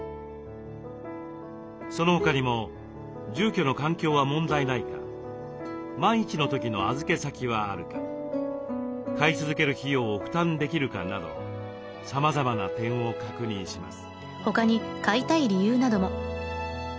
その他にも住居の環境は問題ないか万一の時の預け先はあるか飼い続ける費用を負担できるかなどさまざまな点を確認します。